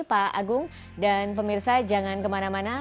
pak agung dan pemirsa jangan kemana mana